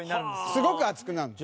すごく暑くなるの。